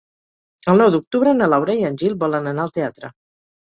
El nou d'octubre na Laura i en Gil volen anar al teatre.